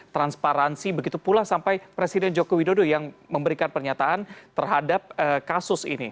transparansi begitu pula sampai presiden joko widodo yang memberikan pernyataan terhadap kasus ini